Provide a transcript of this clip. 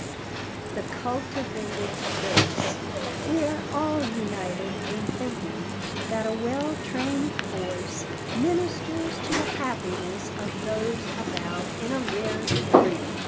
[Sidenote: THE CULTIVATED VOICE] We are all united in thinking that a well trained voice ministers to the happiness of those about in a rare degree.